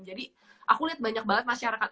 jadi aku lihat banyak banget masyarakat